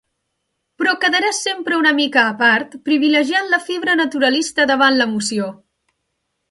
Però quedarà sempre una mica a part, privilegiant la fibra naturalista davant l'emoció.